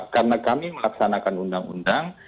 karena kami melaksanakan undang undang